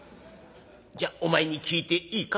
じゃお前に聞いていいか？